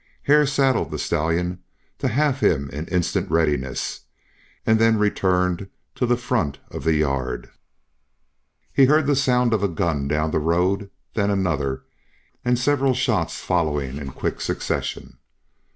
Hare saddled the stallion to have him in instant readiness, and then returned to the front of the yard. He heard the sound of a gun down the road, then another, and several shots following in quick succession.